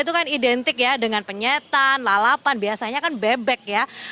itu kan identik ya dengan penyetan lalapan biasanya kan bebek ya